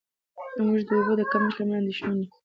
موږ د اوبو د کمښت له امله اندېښمن یو.